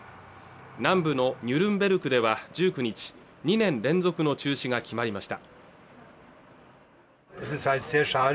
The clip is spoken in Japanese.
南部のニュルンベルクでは１９日２年連続の中止が決まりました